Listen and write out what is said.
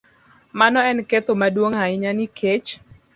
Mano en ketho maduong' ahinya nikech